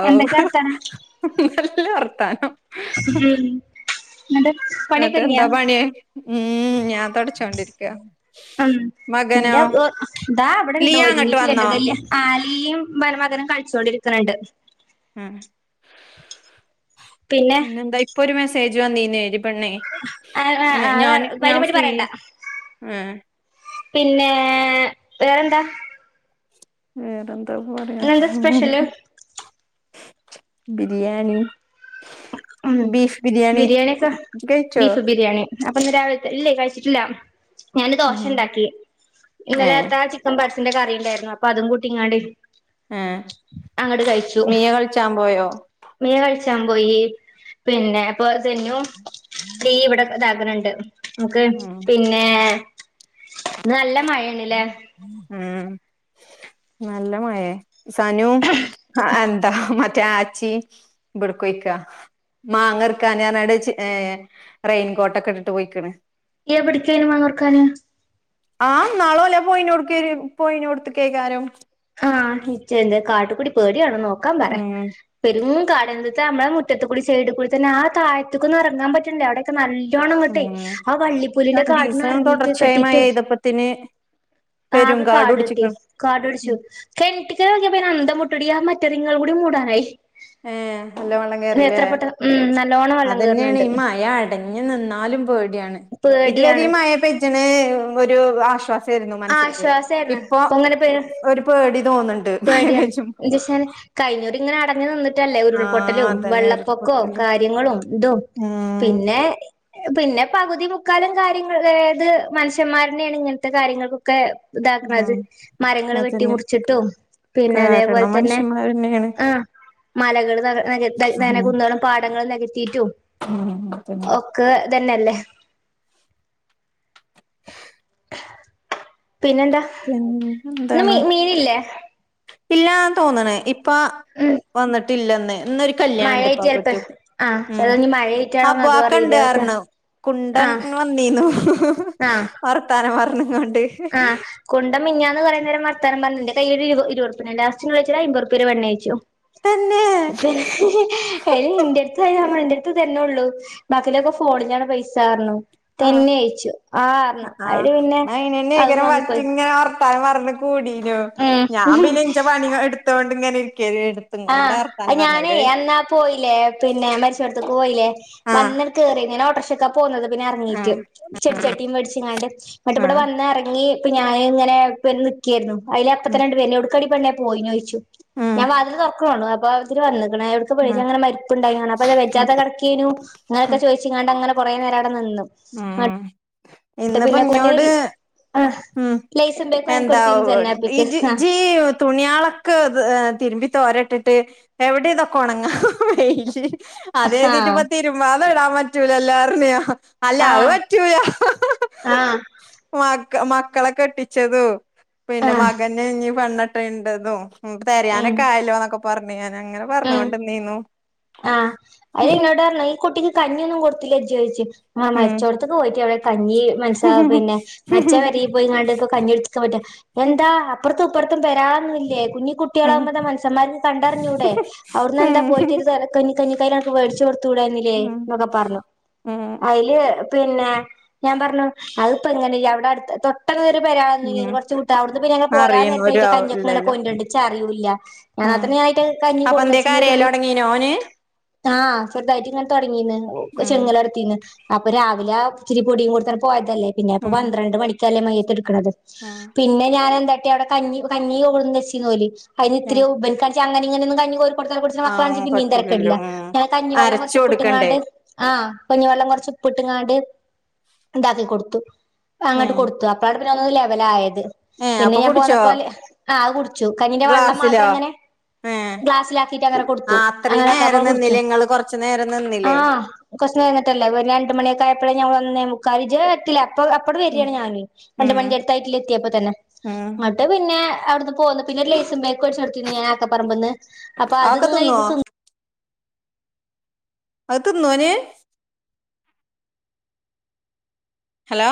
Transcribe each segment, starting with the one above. ഔ എന്തൊക്കെ വർത്തനം നല്ല വർത്താനം എന്നിട്ട് പണിയൊക്കെ എന്നിട്ട് ഒതുങ്ങിയാ, എന്താ പണി ഉം ഞാൻ തൊടച്ചോണ്ടിരിക്ക ഉം മകനോ എന്റെ ഇതാ അവിടെണ്ടോ ലിയ ഒരുങ്ങി അങ്ങട്ട് വന്നോ ചെയ്യേണ്ടതല്ലേ ലിയയും മരുമകനും കളിച്ചൊണ്ടിരിക്കുന്നുണ്ട് ആ പിന്നെ എന്താ ഇപ്പൊ ഒരു മെസേ തേജോ നീ നേരും ആ, ആ, അതിനെ ഞാൻ പറ്റി ഫ്രീയ പറയണ്ട ഏഹ് പിന്നെ വേറെന്താ ഉം [unintelligible] പറയാ ഇന്നെന്താ സ്പെഷ്യല് ബിരിയാണി ഉം, ബിരിയാണി ഒക്കെ ഇജ്ജ് കഴിച്ചോ ബീഫ് ബിരിയാണി അപ്പൊ ഇന്ന് രാവിലത്തെ ഇല്ലേ, കഴിച്ചിട്ടില്ല ഞാന് ഉം ദോശ ഉണ്ടാക്കി, ഏഹ് ഇന്നലെത്ത ചിക്കൻ പ പെരട്ടിന്റെ കറിയുണ്ടായിരുന്നു, അപ്പൊ അതും കൂട്ടി ഏഹ് അങ്ങോട്ട് കഴിച്ചു, മിയ കളിച്ചാൻ പോയോ നീ കഴിച്ചു പോയി പിന്നെ [unintelligible] നീ ഇവിടെ ഇതാകനുണ്ട് നോക്കെ ഉം പിന്നെ നല്ല മഴണല്ലേ ആ നല്ല മഴേ സനു ആ എന്ത മറ്റേ ആ ചി ഇവിടക്കൊയ്ക്കാ മാങ്ങർക്കാനയിട്ട് റെയിൻകോട്ടൊക്കെ ഇട്ടിട്ട് പോയിക്കണ് എവിടുത്തോക്ക് മാങ്ങ പറുക്കാന് ആഹ് നാളും അല്ല പോയിന് കൊടു പോയിന കൊടുത്ത് കേക്കാരും ആഹ നിചയ എന്ത കാട്കുടി പേടിയാണന്നോ നോക്കാൻ പറ ഉം പെരും കാടാത് നമ്മള മുറ്റത്തുകൂടി സൈഡിൽ കൂടി തന്നെ ആ താഴത്തെക്കു ഒന്നും ഇറങ്ങാൻ പറ്റില്ല അവിടെയൊക്കെ നല്ല ങ്ങട്ടെ ഉം ആ വള്ളിപ്പുല്ലിന്റെ കാടന്ന് രണ്ടീസം ഇറങ്ങീട്ട് തുടർച്ചയായി കെട്ടിട്ടെ മഴെയ്തപ്പത്തിന് ആകെ പെരുങ്കാട് കാട് കെട്ടി പുടിച്ച്ക്ക്ണ് കാട് പിടിച്ചു ഉം കിണറ്റ്ക്ക് നോക്കിയാപ്പ അന്ത മുട്ടടിയാ ആ മറ്റതിങ്ങൾ കൂടി മൂടാനായി ഏ ഹ് എല്ലാം വള്ളം എത്ര കേറില്ലേ പെട്ടെന്ന് ഉം നല്ലോണം വെള്ളം കേറ്ണ് അതന്നെയാണ് ഈ ണ്ട് മഴ അടഞ്ഞു നിന്നാലും പോടിയാ പേടിയാണ് ഇതുവരയും മഴ പെയ്തിന് ഒരു ആശ്വാസം ആരുന്നു മനസ്ക്ക് ആശ്വാസായിരുന്നു ഇപ്പൊ ഇങ്ങനെ പേ ഒരു പേടി തോന്നുന്നുണ്ട് മച്ചും അങ്ങനെ നിന്നട്ട് ല്ലേ ഉരുൾപൊട്ടലും വെള്ളപ്പൊക്കവും ഉരുൾപൊട്ടലും കാര്യങ്ങളും ഇതും ഉം പിന്നെ പിന്നെ പകുതി മുക്കാലും കാര്യങ്ങൾ അതായത് മനുഷ്യന്മാരുടെയാണ് ഇങ്ങനത്തെ കാര്യങ്ങൾക്ക ക്കെ ഇതാക്കണത് ഉം മരങ്ങള് വെട്ടി അതന്നെ മുറിച്ചിട്ടും പിന്നെ അതേപോലെ കാരണം തന്നെ മനുഷ്യന്മാരന്നെയാണ് ആ മലകൾ ആഹ് നികത്ത കുന്ന് പാടങ്ങൾ നി ത്തീട്ടും ഉം അതന്നെ ഓക്കെ തന്നെയല്ലേ [inaudible] പിന്നെന്താ ഇന്ന് മീൻ ഇല്ലേ ഇല്ലാന്ന തോന്ന്ണേ ഇപ്പ ഉം വന്നി ട്ടില്ലെന്ന് ഇന്നൊരു കല്യാൺണ്ട് മഴയായിട്ട് ഉപ്പാക്ക് ചെലപ്പോ മറ്റും ആഹ് ഉം ചെലപ്പോ ഇനി മഴയായിട്ടാണോന്ന് അതും അബുആക്ക ണ്ട് അറിയില്ല അർഞ്ഞു കുണ്ടൻ ആഹ് ഇന്ന് വന്നീന്നു ആഹ് വർത്താനം പറഞ്ഞു ആ് ആഹ് കുണ്ട മിൻഞ്ഞാന്ന് കൊറേ നേരം വർത്താനം പറഞ്ഞി തൈര് ഇരുവർപ്യനെ ലാസ്റ്റ് നൈറ്റിൽ അയാമ്പർപൊരു തന്നെ [unintelligible] എടി ഇൻ്റെടുത്ത് അയിന് [unintelligible] ത്ത് തന്നെള്ളു ബാക്കിലൊക്കെ ഫോണിലാണ് പൈസാർഞ്ഞു ആഹ് തെന്നെഅയിച്ചു ആർഞ്ഞു അയില് പിന്നെ അതും ഇങ്ങനെ വാങ്ങിപ്പോയി വറ്റിങ്ങനെ വർത്താനം പറഞ്ഞ് കൂടി ഞ്ഞോ ഞാൻ ഉം പിന്നെ ഇൻ്റെ പണി എടുത്തോണ്ട് ഇങ്ങനെ ഇരിക്കേനു എടുത്തുങ്ങോണ്ടാ ആഹ് വർത്താനം അയ്ഞാനേ പറഞ്ഞത് ഓര് എന്നാ പോയില്ലേ പിന്നെ മരിച്ചോട്ത്ത്ക്ക് പോയില്ലേ ആഹ് വന്ന് കേറി ഞാനോട്ടർ പോന്നത് പിന്നെ ഇറങ്ങീട്ട് ആഹ് ചെടിചട്ടീം മേടിച്ചങ്ങാണ്ട് ന്നിട്ട്വടെ ആഹ് വന്ന് എറങ്ങി ഇപ്പൊ ഞാനിങ്ങനെ ഇപ്പ നിക്കേരുന്നു അയില് ഉം അപ്പത്തെന്നെണ്ട് വര്ന് ഔട്ക്കാടിപെണ്ണേ പോയിനോയ്ച്ചു ഉം ഞാൻ വാതില് തൊറ ആണു അപ്പാതിൽ വന്ന് എവിടക്കപോയെച്ചു അങ്ങെനെ മരിപ്പുണ്ടാര് അപ്പൊത് ഉം വെജാതെ കെടക്കെയ്നു അങ്ങനൊക്കെ ഉം ചോദിച്ചിങ്ങാണ്ടങ്ങനെ കുറേനേരവടെനിന്നു ഉം ഇന്ന്പ്പോ കൊറേ ഇഞ്ഞോട് ആഹ് ഉം ലേസും ബേക്കും എന്താ വാങ്ങിക്കൊടുത്തീന്ന് ജന്നാപ്പിക്ക് ഇജി ആഹ് ഇജ് ഈഴതുണിയാളൊക്കെ തിരുമ്പി തോരട്ടിട്ട് എവിടെ ഇതൊക്കെ ഒണങ്ങാം വെയില് അത്കരുതിട്ടിപ്പ തിരുമാതെ ഇടാൻപ പറ്റൂലല്ലാർണെയാ അല്ല ആഹ് അത് ആഹ് പറ്റൂല ആഹ് മക്കളെ കെട്ടിച്ചതു പിന്നെ ആഹ് മകനെ ഇനിപെണ്ണ- [unintelligible] ണ്ടതും [unintelligible] ഉം തെരയാനൊക്കെ ആയല്ലൊന്നൊക്കെ പറഞ്ഞ്ണ്ന്ന് ഉം ആഹ് അയനെന്നോട് പറഞ്ഞ ഈ കുട്ടിക്ക് കഞ്ഞിയൊന്നും കൊടുത്തില്ല ജ്ജ് ച് [unintelligible] ആ ഉം മരിച്ചോടത്തെക്ക് പോയിട്ട് കഞ്ഞി മനസ്സ ഉം പിന്നെ മരിച്ച പെരേ പോയികാണ്ട് പ്പ കഞ്ഞികുടിച്ചാക്കാൻ പറ്റ എന്താ അപ്പ- തുപ്പർത്തും വരാന്നില്ലേ കുഞ്ഞി ഉം കുട്ടികളാവുമ്പത് മനസന്മാരി കണ്ടറിഞ്ഞൂടെ അവിടുന്ന് എന്താ പോയിട്ടൊരു ഉം തര കഞ്ഞിക്കൈൽക്ക് മേടിച്ചു കൊടുത്തൂടന്നില്ലേ എന്നൊക്കെ പറഞ്ഞു ഉം ഉം അതില് പിന്നെ ഞാൻ പറഞ്ഞു അതിപ്പോ എങ്ങനെയ അവിടെ അടുത് തൊ പ പെരാ ഉം കൊറച്ച് വിട്ട അവിടുന്ന് പിന്നെ പോരാ അറിയണ നേരത്ത് ഒരു അയിറ്റ ആ കഞ്ഞി ഒക്കെ ഇല്ലല്ലോ കൊണ്ടെയ്ണ്ട് ച്ചാറിയൂല്ല ഞാനത്ര ഞനത്രെ കഞ്ഞി കൊടുന്ന് വെച്ചിന് ഒരു എന്തേക്കരേല് തുള്ളി തൊടങ്ങീന്നോന് ആഹ് ചെറുതായിട്ടിങ്ങനെ തൊടങ്ങി ങ്ങീന്ന് ഉം ചെനങ്ങലർത്തീന്ന് അപ്പൊ രാവിലെ ഇച്ചിരി പൊടിയും കൊടുത്താണ്ട് പോയതാ തല്ലേ പിന്നെപ്പൊ ഉം പന്ത്രണ്ട് മണി സലമ എതിർു [unintelligible] [unintelligible] ഉം പിന്നെ ഞൻ എന്താ ക അവിടെ കഞ്ഞി കഞ്ഞി കൊണ്ടെന്നിച്ചീന്നോല്. അരി ത്തിരി ഇപൽക്കാച്ചാ അങ്ങെ ഇങ്ങനൊന്നും കഞ്ഞി- കൊടുത്ത കുടിച്ച്ണ മക്കളാണിച്ചാ ആഹ് പിന്നേം പറ്റൂലല്ലോ തരക്കേടില്ല ഉം കഞ്ഞി വെള്ളം അരച്ചു കൊറച്ച് കൊടുക്കണ്ടേ ഉപ്പിട്ട്ങ്ങാണ്ട് ആ കഞ്ഞി വെള്ളം കുറച്ച് ഇപ്പിട്ട്ങ്ങാണ്ട് ഇതാക്കി കൊടുത്തു അങ്ങട്ട് ഉം കൊടുത്തു അപ്പാട് രന്ന് ലെവല് ആയത് ഏഹ് പിന്നെ അപ്പൊ ഞാൻ കുടിച്ചോ പോന്നപ്പോ ആ അത് കുടിച്ചു കഞ്ഞിന്റെ വെള്ളം ഗ്ലാസ്സിലോ മാത്രം ങ്ങനെ ഏഹ് ഗ്ളാസിലാക്കിറ്റങ്ങനെ കൊട്ത്തു ആഹ് അത്രയും നേരം ആകപ്പാടെ കുടിച്ചു നിന്നില്ലേ ഇങ്ങള് കൊറച്ചു നേരം ആ നിന്നില്ലേ കൊറച്ച് നേരം കഴിഞ്ഞിട്ടല്ലേ പിന്നെ രണ്ടു മണി ഒകെ ആയപ്പ ഞങ്ങളൊന്നേമുക്കാല് ജേക്കിലാ അപ്പ അപ്പടെ ഉം വര്യാണ് ഞാന് രണ്ട് ഉം മണി അടുത്തായിട്ടി എത്തിയപ്പോ തന്നെ ഉം ന്ന്ട്ട് പിന്നെ അവിടുന്ന് പോന്ന് പിന്നെ ലൈസും പേക്ക് മേടിച്ച്കൊട്ത്തീനി ഞാൻ ആക്ക പറമ്പ്ന്ന് അപ്പൊ അതൊക്കെ അത്ങ്ങ് തിന്നുവോ ഇര്ന്ന് തിന്ന് അത് തിന്നോന് ഹലോ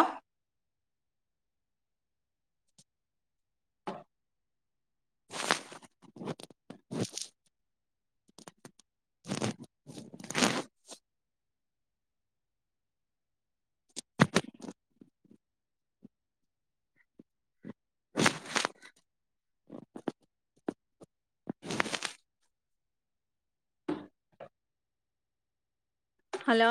ഹലോ